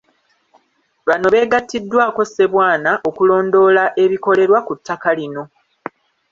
Bano beegattiddwako Ssebwana okulondoola ebikolerwa ku ttaka lino.